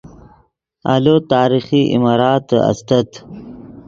آلو تاریخی عماراتے استت